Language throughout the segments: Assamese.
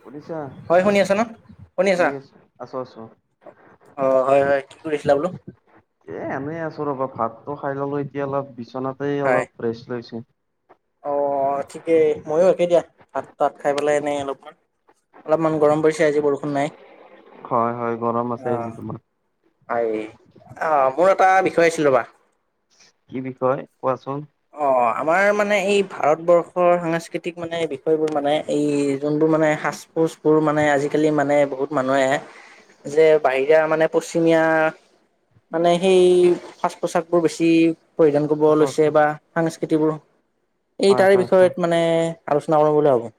শুনিছা? হয় শুনি আছা ন শুনি আছো, আছো আছো। অ' হয় হয়, কি কৰিছিলা বোলো? এ এনেই আছো, ৰ'বা! ভাতটো খাই ললো এতিয়া অলপ বিচনাতে হয় অলপ ৰেষ্ট লৈছো। অ' ঠিকেই। ময়ো একে দিয়া ভাত তাত খাই পেলাই এনেই অলপমান। অলপমান গৰম পৰিছে, আজি বৰষুণ নাই। হয় হয়, গৰম আছে যে তোমাৰ। হয়, অ' মোৰ এটা বিষয় আছিল ৰ'বা! কি বিষয়? কোৱাচোন? অ' আমাৰ মানে এই ভাৰতবৰ্ষ সাংস্কৃতিক মানে বিষয়বোৰ মানে এই যোনবোৰ মানে সাজ-পোছবোৰ মানে আজিকালি মানে, বহুত মানুহে, যে বাহিৰা মানে পশ্চিমীয়া মানে সেই সাজ-পোছাক বোৰ বেছি। পৰিধান কৰিব হয় লৈছে হয় বা সাংস্কৃতিবোৰ এই হয় তাৰে হয়। হয়। বিষয়ত মানে আলোচনা কৰোঁ বুলি ভাবোঁ।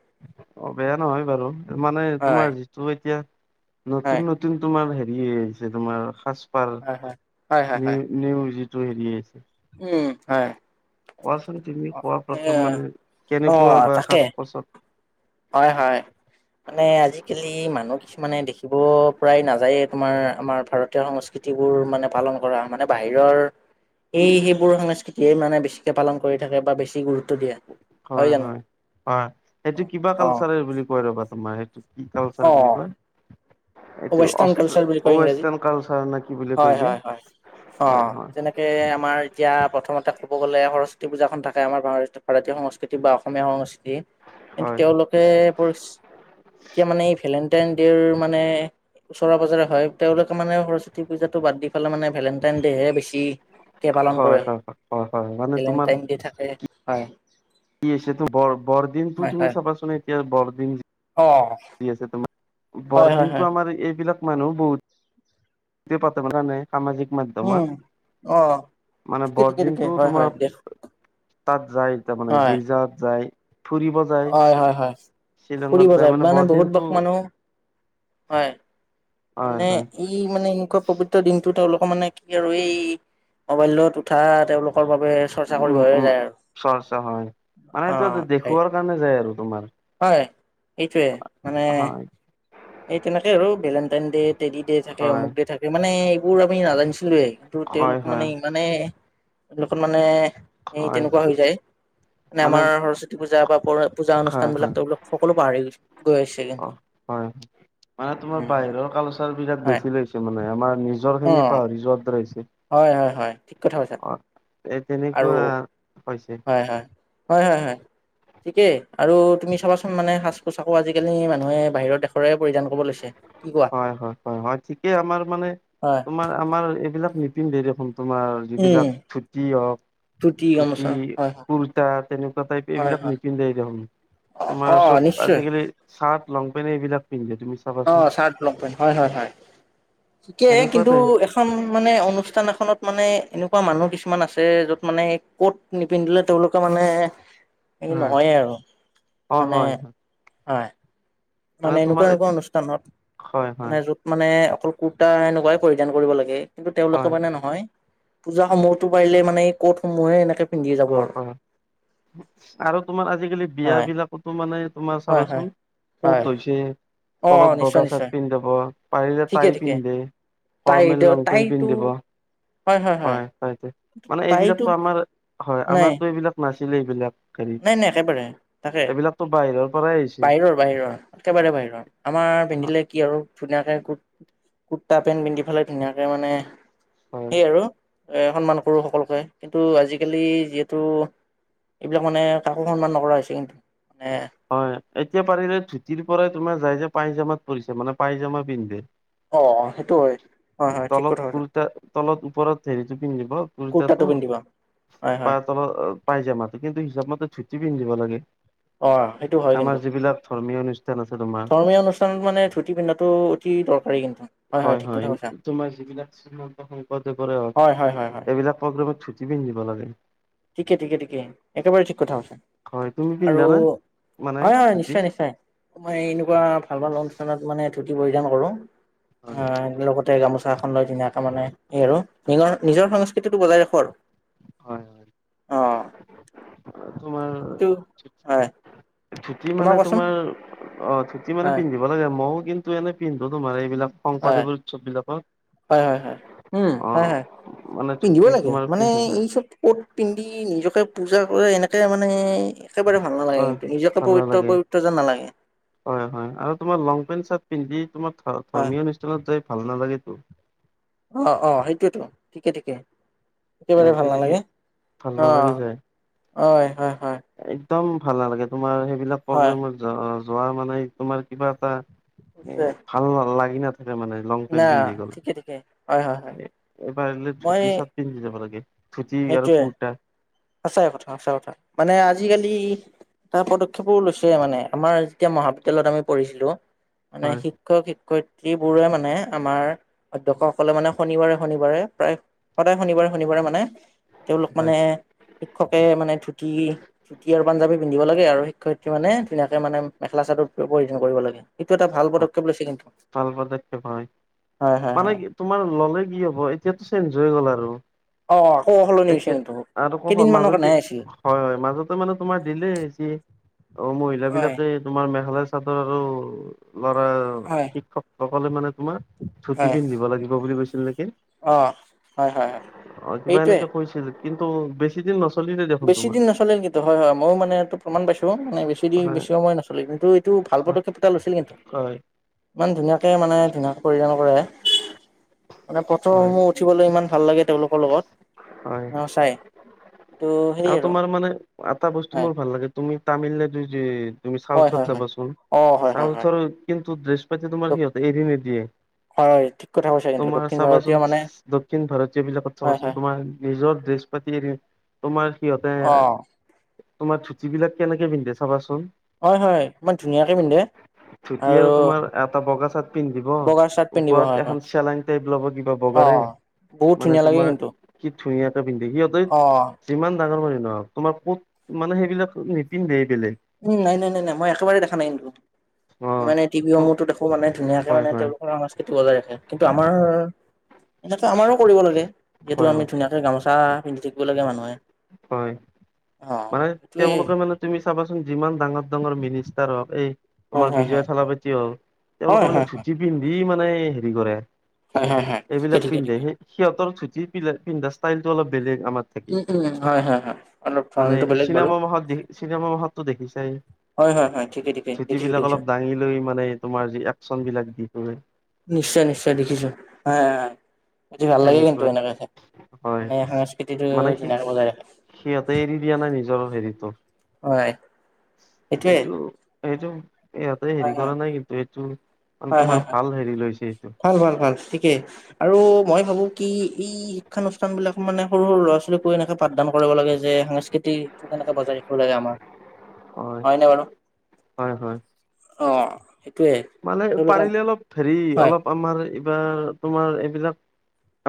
অ' বেয়া নহয় বাৰু মানে হয় তোমাৰ যিটো এতিয়া হয়। নতুন নতুন তোমাৰ হেৰি আহিছে। তোমাৰ সাজপাৰ হয় হয় হয় হয় নি হয়। নিউজে টো হেৰি আছে। উম, হয়। কোৱাচোন তুমি কোৱা এ প্ৰথম মানে অ কেনেকুৱা বা তাকে সাজ পাচত হয়, হয়। মানে আজিকালি মানুহ কিছুমানে দেখিব প্ৰায় নাযায়ে। তোমাৰ আমাৰ ভাৰতীয় সংস্কৃতি বোৰ মানে পালন কৰা মানে বাহিৰৰ এই সেইবোৰ সংস্কৃতিয়ে মানে বেছিকে পালন কৰি থাকে বা বেছি গুৰুত্ব দিয়ে। হয়, হয়, হয় হেইটো কিবা অ কালচাৰে বুলি কয় ৰবা তোমাৰ কি কালচাৰ অ বুলি কয়? এইটো ৱেষ্টাৰ্ণ অষ্ট কালচাৰ বুলি কয় ইংৰাজীত ৱেষ্টাৰ্ণ কালচাৰ নে কি বুলি হয় কয় যে হয় হয়। হয় অ' হয় যেনেকে আমাৰ এতিয়া প্ৰথমতে ক'ব গ'লে সৰস্বতী পূজাখন থাকে। আমাৰ ভাৰতীয় সংস্কৃতি বা অসমীয়া সংস্কৃতি এই হয় তেওঁলোকে পৰিস্থিতিয়ে মানে এই ভেলেণ্টাইন ডে'ৰ মানে ওচৰৰে পাজজৰে হয়। তেওঁলোকে মানে সৰস্বতী পূজাতটো বাদ দি সেইফালে মানে ভেলেণ্টাইন ডে হে বেছিকৈ পালন হয় কৰে। হয় হয় হয় মানে তোমাৰ ভেলেণ্টাইন ডে থাকে। হয় কি আহিছে তোৰ বৰ বৰদিনটো হয় তুমি হয় চাবাচোন এতিয়া বৰদিন অ', দি আছে তোমাৰ হয় হয় হয়, বৰদিনতো আমাৰ এইবিলাক মানুহ বহুত তুমি পাটা পোৱা নাই সামাজিক মাধ্যম। উম অ', মানে ঠিকে ঠিকে ঠিকে বৰদিনটো হয় হয় তোমাৰ দে তাত যায় তাৰমানে হয় গীৰ্জাত যায়। ফুৰিব যায় হয় হয় হয়। ফুৰিব যায় মানে বহুত ব মানুহ হয়। হয় মানে হয় এই মানে এনেকুৱা পৱিত্ৰ দিনটোতে অলপ মানে কি আৰু এই মবাইলত উঠা তেওঁলোক কৰ বাবে চৰ্চা কৰিব উম হে উম যায় আৰু, চৰ্চা হয় মানে অ এইটো সেই দেখুওৱাৰ কাৰণে যায় আৰু তোমাৰ হয় এইটোৱে মানে হয় এই তেনেকেই আৰু ভেলেণ্টাইন দেইত টেডী দে থাকে হয় অমুক দে থাকে মানে এইবোৰ আমি নাজানিছিলোয়ে কিন্তু হয় তেওঁলোক মানে হয় ইমানে এইবিলাকত মানে এই হয় তেনেকুৱা হৈ যায় মানে আমাৰ সৰস্বতী পূজা বা কৰ পূজা হয় অনুষ্ঠানবিলাক হয় তেওঁলোক সকলো পাহৰি গৈ আহিছে অ কিন্তু। হয় মানে তোমাৰ উম, বাহিৰৰ কালচাৰ বিলাক হয় বেছি লৈছে মানে আমাৰ নিজৰ খিনি অ' পাহৰি যোৱা দৰে হৈছে। হয় হয় হয় ঠিক কথা কৈছা অ এই আৰু তেনেকুৱা হৈছে হয় হয় হয় হয়। ঠিকেই আৰু তুমি চাবাচোন মানে সাজ পোছাকো আজিকালি মানুহে বাহিৰৰ দেশৰে পৰিধান কৰিব লৈছে। কি কোৱা? হয় হয় হয় হয় ঠিকেই আমাৰ মানে হয় তোমাৰ আমাৰ এইবিলাক নিপিন্ধে দেখোন। তোমাৰ উম যিবিলাক ধুতি হওক ধুতি, গামোচা হয় হয় কুৰ্তা তেনেকুৱা টাইপ হয় এইবিলাক হয় নিপিন্ধেই দেখোন। তোমাৰ অ চব নিশ্চয় আজিকালি চাৰ্ট, লং পেন্ট এইবিলাক পিন্ধে তুমি অ চাবাচোন। চাৰ্ট লং পেন হয় হয় হয়, ঠিকে এনেকুৱা কিন্তু টাইপ এখন মানে অনুষ্ঠান এখনত মান মানে এনেকুৱা মানুহ কিছুমান আছে য'ত মানে কত নিপিন্ধিলে তেওঁলোকে মানে সে হয় নহয়ে আৰু অ মানে হয় হয় হয়। মানে এনেকুৱা এনেকুৱা অনুষ্ঠানত হয় হয় হয় মানে যত মানে অকল কুৰ্তা এনেকুৱাই পৰিধান কৰিব লাগে কিন্তু তেওঁলোকে হয় মানে নহয় পূজাহ সমূহতো পাৰিলে মানে এই কৌটসমূহে এনেকে পিন্ধি অ যাব আৰু হয় আৰু তোমাৰ আজিকালি বিয়া হয় বিলাকতো মানে তোমাৰ হয় হয় চাবাচোন হয় কৌট হৈছে অ তলত নিশ্চয় বগা চাট নিশ্চয় পিন্ধিব পাৰিলে ঠিকে তাই ঠিকে পিন্ধে তাই ফৰ্মেল লং পেণ্ট তাইতো পিন্ধিব হয় হয়টো মানে তাইতো এইবিলাকো আমাৰ হয় নাই আমাৰতো এইবিলাক নাছিলে এইবিলাক হেৰি নাই নাই একেবাৰে তাকে এইবিলাকতো বাহিৰৰ পৰাই আহিছে বাহিৰৰ বাহিৰৰ একেবাৰে বাহিৰৰ আমাৰ পিন্ধিলে কি আৰু। ধুনীয়াকে কু কুুৰ্তা পেণ্ট পিন্ধি পেলাই ধুনীয়াকে মানে হয় সেই আৰু সন্মান কৰোঁ সকলোকে কিন্তু আজিকালি যিহেতু এইবিলাক মানে কাকো সন্মান নকৰা হৈছে কিন্তু মানে হয় এতিয়া পাৰিলে ধুতিৰ পৰাই তোমাৰ যাই যে পাইজামাত পৰিছে মানে পাঁজামা পিন্ধে অ' সেইটো হয়। হয় হয় ঠিক তলত কথা কৈছা কুৰ্তা তলত ওপৰত হেৰিটো পিন্ধিব কুৰ্তাটো হয় হয় প তলত পাই যায় মাতে কিন্তু হিচাপ মতে চুটি পিন্ধিব লাগে অ' সেইটো হয় আমাৰ কিন্তু যিবিলাক ধৰ্মীয় অনুষ্ঠান আছে তোমাৰ ধৰ্মীয় অনুষ্ঠানত মানে ধুতি পিন্ধাটো অতি দৰকাৰী কিন্তু হয় হয় ঠিক কথা কথা শংকৰদেৱৰে হয় এইবিলাক প্ৰগ্ৰেমত চুটি পিন্ধিব লাগে ঠিকে ঠিকে ঠিকে একেবাৰে ঠিক কথা আ হৈছে হয় তুমি আৰু পিন্ধা না মানে হয় হয় ধুতি নিশ্চয় নিশ্চয় মই এনেকুৱা ভাল ভাল অনুষ্ঠানত মানে ধূতি পৰিধান কৰোঁ হয় লগতে গামোচা লৈ ধুনীয়াকে মানে এই আৰু নিৰ নিজৰ সংস্কৃতিটো বজাই ৰাখো আৰু হয় হয় অ সেইটো হয় তোমাৰ ধুতি মানে তোমাৰ অ' থুটি মানে হয় পিন্ধিব লাগে ময়ও কিন্তু এনে পিন্ধো তোমাৰ এইবিলাক হয় শংকদেৱৰ উৎসৱ বিলাপাৰ হয় হয় হয় উম হা হ পিন্ধিব লাগে তোমাৰ মানে পিন্ধা যায় এই চব ক'ত পিন্ধি নিজকে পূজা কৰে এনেে তে মানে একেবাৰে ভাল নালাগে হয় কিন্তু নিজকে ভাল পবিত্ৰ নালাগে পবিত্ৰ যেন নালাগে। হয় হয় আৰু তোমাৰ লং পেন্ট চাৰ্ট পিন্ধি। তোমাৰ হয় ধৰ্মীয় অনুষ্ঠানত যাই ভাল নালাগেতো। অ অ সেইটোয়েতো ঠিকে ঠিকে। একেবাৰে এ ভাল তেনেকে নালাগে ভাল অ নালাগে যায় অ হয় একদম ভাল নালাগে তোমাৰ সেইবিলাক হয় প্ৰগ্ৰেমত যোৱা মানে তোমাৰ কিবা এটা। এ ভালাল লাগি ন ন ঠিকে ঠিকে হয় হয় হয় পাৰিলে মই ধুতি চাত পিন্ধি যাব লাগে ধুতি আৰু সেইটোৱে কুৰা সঁচাই কথা সঁচা কথা মানে আজিকালি এটা পদক্ষেপো লৈছে মানে আমাৰ যেতিয়া মহাবিদ্য়ালয়ত আমি পঢ়িছিলো মানে হয় শিক্ষক শ শিক্ষয়িত্ৰী বোৰে মানে আমাৰ অধ্ক্ষসকলে মানে শনিবাৰে শনিবাৰে প্ৰায় সদায় শনিবাৰে শনিবাৰে মানে তেওঁলোক হয় মানে শিক্ষকে মানে ধুতি ধুতি আৰু পাঞ্জাৱী পিন্ধ দিব লাগে আৰু শিক্ষয়িত্ৰী মানে ধুনীয়াকে মানেলা চাদতয়জন কৰিব লাগে এইটো এটাাল পক্ষপ লৈছে কিন্তু। ভাল পদক্ষেপ হয় হয় হয় মানে হয় কি তোমাৰ ললে কি হব এতিয়াতো চেঞজ হৈ গল আৰু। অ' সলনি হৈছে এতিয়া কিন্তু আৰুকৌ কেইদিনমানৰ মাজতে কাৰণেহে হৈছিল হয় হয় মাজতে মানে তোমাৰ দিলেই যি। অ 'মহিল হয় বিলাকে তোমাৰ মেঘালয় চাদৰ আৰু লৰা হয় সকলে মানে তোমাৰ চুতি হয় পিন্ধিব লাগিব বুলি কৈছিল নেকি। অ হয় হয় হয় অ 'কিবা সেইটোৱে এনেকে কৈছিল কিন্তু বেছি দিন ন বেছি দিন নচলিল কিন্তু হয় হয় ময়ো মানে এইটো প্ৰমণ পাইছো মানে বেছি দি হয় বেছি সময় নচল কিন্তু এইটো ভাল। ভাল হয় পদক্ষেপ এা লৈছিল কিন্তু হয়। ইমান ধুনীয়াকে মানে ধুনীয়াকৈ পৰিধান কৰে মানে হয় পথৰসমূহ উঠিবলৈ ইমান ভাল লাগে। তেওঁলোকৰ হয়। লগত চাই। এইটো সেই আৰু তোমাৰ মানে এটা বস্তু হয় মোৰ ভাল লাগে তুমি তামিলনাডু যে তুমি হয় চাউথত হয় হয় যাবাচোন অ হয় হয় হয় চাউথৰ কিন্তু ড্ৰেছ পাতি তোমাৰ সিহঁতে এৰি নিদিয়ে। হয় ঠিক কথা কৈছা কিন্তু তোমাৰ দক্ষিণ ভাৰতীয় চাবাচোন মানে দক্ষিণ ভাৰতীয় বিলাকত হয় চাবাচোন হয় তোমাৰ নিজৰ। বৃহস্পতি, তোমাৰ কিতে অ তোমাৰ ধুতি বিলাক কেনেকে পিন্ধে চাবাচোন। হয়। হয়। ইমান ধুনীয়াকৈ পিন্ধে। ধুতি আৰু তোমাৰ এটা বগা চাৰ্ট পিন্ধিব বগা চাৰ্ট পিন্ধিব হয় ওপৰত হয় এখন চেলাইং টাইপ লব কিবা অ বগাৰে। বহুত মানে ধুনীয়া লাগে তোমাৰ কিন্তু! ধুনীয়াকে পিন্ধে। সিহঁতে অ ইমান ডাঙৰ মানুহ নহক, তোমাৰ ক'ত মানে সেইবিলাক নিপিন্ধে। উম নাই নাই নাই নাই মই একেবাৰে দেখা নাইন্তো। অ মানে টিভি সমূহতো দেখো মানে ধুনীয়াকে হয় মানে হয় তেওঁলোকৰ সংস্কৃতি বজাই ৰাখে। কিন্তু আমাৰ এনে আমাৰো কৰিব লাগে। যিহেতু হয় আমি হয় ধুনীয়াকে গামোচা পিন্ধি থাকিব লাগে মানুহে হয়। অ মানে সেইটোৱে তেওঁলোকে মানে তুমি চাবাচোন যিমান ডাঙৰ ডাঙৰ মিনিষ্টাৰ হওক, এই হয় আমাৰ হয় বিজয়া হয় চালাপতি হওক, তেওঁলোকে হয় মানে হয় ধুটি পিন্ধি মানে হে কৰে। হয় হয় হয় হয় হয় ঠিকে এইবিলাক ঠিকে পিন্ধে ঠিকে সিহঁতৰ পিন্ধা ষ্টাইটো অলপ বেলেগ। আমাৰ থাকি উম। উম। হয়। হয়। অলপ মানে ধৰণটো বেলেগ বাৰু চিনেমা মাহত দেখি, চিনেমা মাহতো দেখিছোই হয় হয় হয় ঠিকে ঠিকে ধুটি দেখিছো বিলাক দেখিছো অলপ দাঙি লৈ, মানে তোমাৰ যি একচন বিলাক দি নিশ্চয়। নিশ্চয়। দেখিছো। হ ভাল লাগে কিন্তু তেনেকুৱা এনেকাকে। হয়। মানে সি ৰাখে সিহঁতে এৰি দিয়া নাই নিজৰ হেৰিতটো। হয়। সটোৱে। এইটো, ইয়াতে হেৰি কৰা নাই কিন্তু এইটো মানে হয়। তোমাৰ হয়। ভাল হেৰি লৈছে এইটো ভাল ভাল ভাল ঠিকেই আৰু মই মই ভাবো কি ই শিক্ষানুষ্ঠান বিলাক মানে সৰু সৰু ল'ৰা ছোৱালীকো এনেকে পাঠদান কৰিব লাগে যে সংস্কৃতিক তোৰ কেনেকে বজাই লাগে আমাৰ। হয় হয়নে বাৰু? হয় হয় অ এইটোৱে মানে পাৰিলে অলপ হেৰি অলপ আমাৰ এইবাৰ তোমাৰ এইবিলাক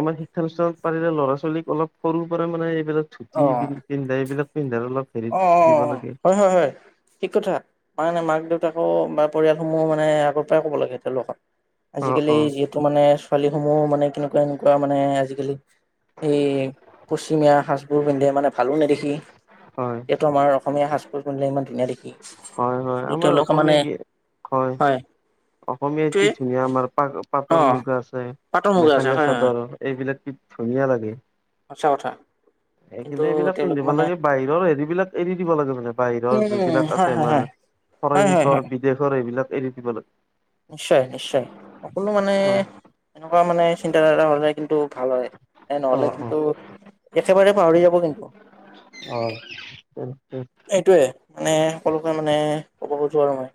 আমাৰ শিক্ষানুষ্ঠানত পাৰিলে ল'ৰা ছোৱালীক অলপ সৰুৰ পৰা মানে এইবিলাক অ ধুতি পিন্ধা এইবিলাক পিন্ধা অলপ হেৰি অ, অ, দিব লাগে হয়। হয়। হয়। ঠিক কথা। মা দেউতাকো বা পৰিয়ালসমূহো মানে আগৰ পৰাই ক'ব লাগে তেওঁলোকক অ আজিকালি অ যিহেতু মানে ছোৱালীসমূহো মানে তেনেকুৱা মানে আজিকালি এই পশ্চিমীয়া সাজবোৰ পিন্ধে, মানে ভালো নেদেখি। হয় এইটো আমাৰ অসমীয়া সাজযুৰ পিন্ধিলে ইমান ধুনীয়া দেখি। হয়। হয়। কিন্তু আমাৰ তেওঁলোকে মানে অসমীয়া গে হয়। অসমীয়া এইটোৱে কি ধুনীয়া আমাৰ অ পাটৰ মুগা আছে। পাটৰ মুগা আছে মেখেলা হয় হয় চাদৰ এইবিলাক ধুনীয়া লাগে। সঁচা কথা। সেই কিন্তু এইবিলাক তেওঁলোক পিন্ধিব মানে লাগে। বাহিৰৰ হেৰি বিলাক এৰি দিব লাগে মানে বাহিৰৰ উম যিবিলাক হয় আছে হয় আমাৰ। হয় হয় হয় ফৰেন্তৰ, হয় বিদেশৰ সেইবিলাক এৰি দিব লাগে। নিশ্চয়। নিশ্চয়। সকলো মানে অ', এনেকুৱা মানে চিন্তাধাৰা হলে কিন্তু ভাল হয়। এ নহলে অ', অ', কিন্তু, একেবাৰে পাহৰি যাব কিন্তু। উম উ, এইটোয়ে মানে সকলোকে মানে ক'ব খোজো আৰু মই।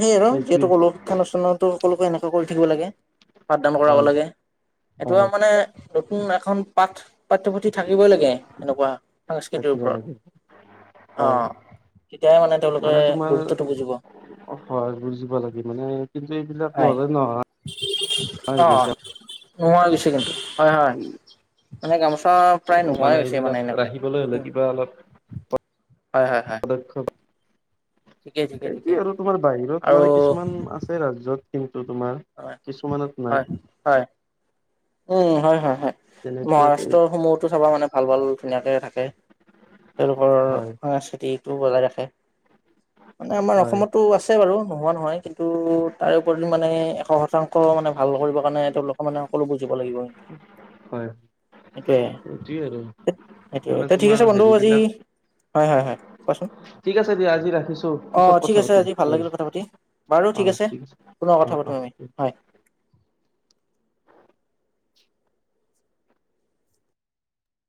সেই আৰু সেইটোৱে যিহেতু ক'লোঁ তো সকলোকে এনেকুৱা কৰি থাকিব লাগে। পাঠদান কৰাব লাগে। এইটো হয়-হয় আৰু মানে নতুন এখন পাঠ পাঠ্যপুথি থাকিবই লাগে এনেকুৱা সাংস্কৃতিৰ থাকিব ওপৰত। লাগে হয় আহ। তেতিয়াই মানে তেওঁলোকে গুৰুত্বটো বুজিব। হয় বুজিব লাগিব। মানে কিন্তু এইবিলাক হয় নহলে নোহোৱা হৈ অ গৈছে নোহোৱা গৈছে কিন্তু হয়, হয় মানে গামোচ আ প্ৰায় নোহোৱাই হৈছে মানে এইবিলাক এনেকাই। ৰাখিবলৈ হ'লে কিবা অলপ [unintelligible] ঠিকেই ঠিকেই এইটো ঠিকেই আৰু তোমাৰ বাহিৰত আৰু মানে কিছুমান আছে ৰাজ্যত। কিন্তু তোমাৰ হয়, কিছুমানত নাই হয়, হয়। উম, হয়, হয়, হয় তেনেকুৱাতে মহাৰাষ্ট্ৰসমূহতো চাবা মানে ভাল ভাল ধুনীয়াকে থাকে। তেওঁলোকৰ সংস্কৃতিটো বজাই ৰাখে মানে আমাৰ হয়-হয়-হয় অসমতো আছে বাৰু। নোহোৱা নহয় কিন্তু তাৰ ওপৰি মানে এশ শতাংশ মানে ভাল কৰিবৰ কাৰণে তেওঁলোকে মানে সকলোজ দিব লাগিব। [unintelligible] তি আৰু মানে সেইটো ঠিক তোমাৰ আছে বন্ধু হেৰি আজি বিলাক হয়, হয়, হয়। কোৱাচোন ঠিক আছে দিয়া আজি ৰাখিছোঁ অ পিছত ঠিক কথা আছে পাতিম আজি ভাল দিয়া। লাগিল কথা পাতি অ' ঠিক আছে পুনৰ কথা অ' অ'। পাতিম আমি [inaudible]